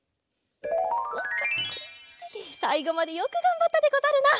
さいごまでよくがんばったでござるな。